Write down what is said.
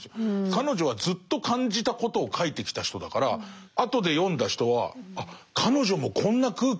彼女はずっと感じたことを書いてきた人だから後で読んだ人はあっ彼女もこんな空気になるんだ